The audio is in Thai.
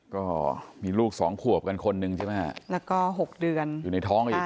ก็มีลูกสองควบกันคนนึงใช่ไหมฮะ